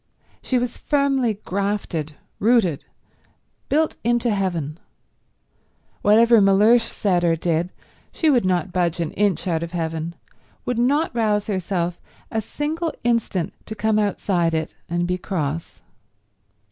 She was firmly grafted, rooted, built into heaven. Whatever Mellersh said or did, she would not budge an inch out of heaven, would not rouse herself a single instant to come outside it and be cross.